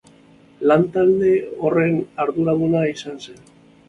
Lan-talde horren arduraduna izan zen.